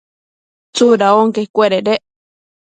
¿tsuda onquecuededec?